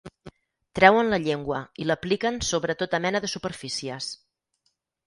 Treuen la llengua i l'apliquen sobre tota mena de superfícies.